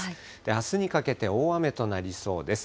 あすにかけて大雨となりそうです。